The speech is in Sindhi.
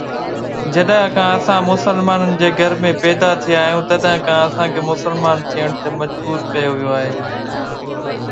جڏهن کان اسان مسلمانن جي گهر ۾ پيدا ٿيا آهيون، تڏهن کان اسان کي مسلمان ٿيڻ تي مجبور ڪيو ويو آهي